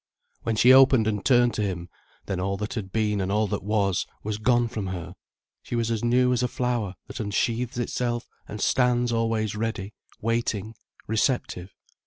When she opened and turned to him, then all that had been and all that was, was gone from her, she was as new as a flower that unsheathes itself and stands always ready, waiting, receptive.